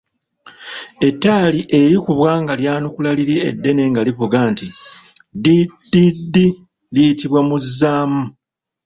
"Ettaali erikubwa nga lyanukula liri eddene nga livuga nti “ddi, ddi, ddi” liyitibwa Muzaamu."